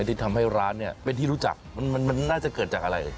ที่ทำให้ร้านเนี่ยเป็นที่รู้จักมันน่าจะเกิดจากอะไร